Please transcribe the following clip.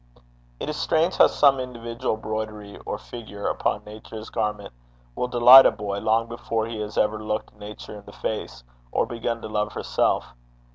It is strange how some individual broidery or figure upon Nature's garment will delight a boy long before he has ever looked Nature in the face, or begun to love herself.